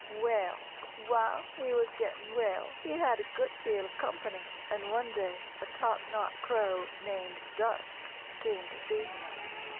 ] "Well, while he was getting well he had a good deal of company, and one day a top knot crow named Dusk came to see him.